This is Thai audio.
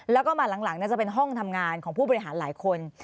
แล้วก็มาหลังน่าจะเป็นห้องทำงานของผู้บริหารหลายคน